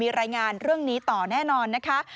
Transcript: มีรายงานเรื่องนี้ต่อแน่นอนนะคะ